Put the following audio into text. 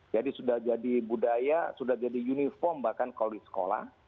jadi sudah jadi budaya sudah jadi uniform bahkan kalau di sekolah